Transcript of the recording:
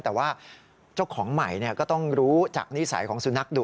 แต่ว่าเจ้าของใหม่ก็ต้องรู้จากนิสัยของสุนัขดุ